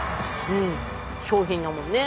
うん商品だもんね。